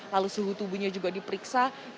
lalu suhu tubuhnya juga diperiksa